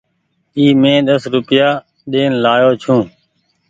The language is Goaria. اي مين ديسو روپيا ڏين لآيو ڇون ۔